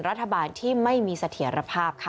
รัฐบาลที่ไม่มีเสถียรภาพค่ะ